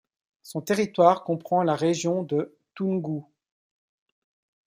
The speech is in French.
Son territoire comprend la région de Toungou.